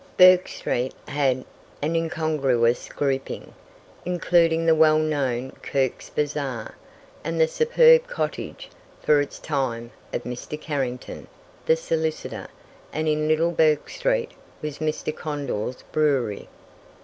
Bourke street had an incongruous grouping, including the well known Kirk's Bazaar, and the superb cottage, for its time, of Mr. Carrington, the solicitor; and in Little Bourke street was Mr. Condell's brewery.